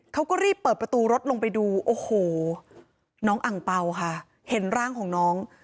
เขาก็รีบเปิดประตูรถลงไปดูโอ้โหน้องอังเปล่าค่ะเห็นร่างของน้อง